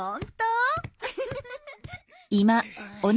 ウフフフ。